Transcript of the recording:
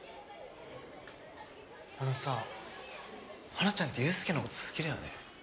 あのさ花ちゃんって雄亮の事好きだよね？